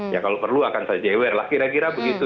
ya kalau perlu akan saya jewer lah kira kira begitu